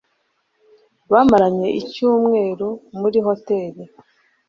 Bamaranye icyumweru muri hoteri.